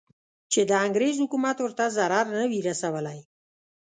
چې د انګریز حکومت ورته ضرر نه وي رسولی.